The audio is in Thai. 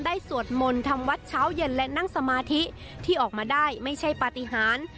สวดมนต์ทำวัดเช้าเย็นและนั่งสมาธิที่ออกมาได้ไม่ใช่ปฏิหาร